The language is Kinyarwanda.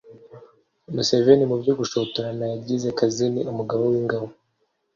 museveni mu buryo bushotorana yagize kazini umugaba w’ingabo